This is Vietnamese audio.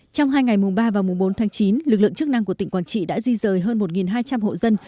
trong hai ngày mùng ba và mùng bốn tháng chín lực lượng chức năng của tỉnh quảng trị đã di rời hơn một hai trăm linh hộ dân